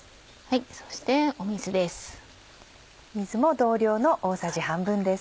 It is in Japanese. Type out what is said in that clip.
そして水です。